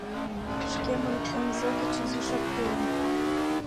- Шкемын НЗ гыч изишак пуэм.